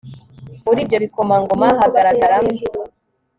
muri ibyo bikomangoma hagaragaram